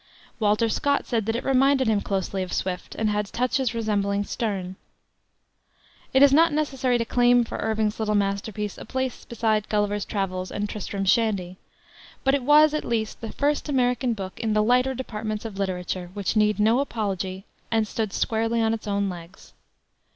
Walter Scott said that it reminded him closely of Swift, and had touches resembling Sterne. It is not necessary to claim for Irving's little masterpiece a place beside Gulliver's Travels and Tristram Shandy. But it was, at least, the first American book in the lighter departments of literature which needed no apology and stood squarely on its own legs.